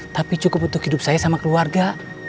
tapi cukup untuk hidup saya sama keluarga